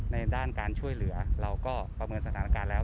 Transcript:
ในด้านการช่วยเหลือเราก็ประเมินสถานการณ์แล้ว